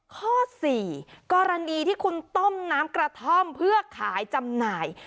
ข้อ๔กรณีที่คุณต้มน้ำกระท่อมเพื่อขายจำหน่าย